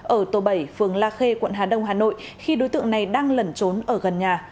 ở tổ bảy phường la khê quận hà đông hà nội khi đối tượng này đang lẩn trốn ở gần nhà